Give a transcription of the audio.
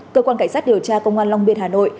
cơ quan cảnh sát điều tra công an long biên hà nội